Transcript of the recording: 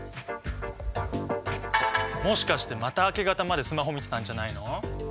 もしかしてまた明け方までスマホ見てたんじゃないの？